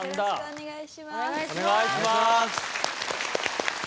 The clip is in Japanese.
お願いします。